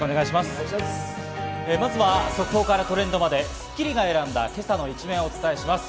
まずは速報からトレンドまで『スッキリ』が選んだ今朝の一面をお伝えします。